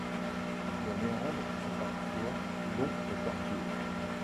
Les méandres sont parfois longs et tortueux.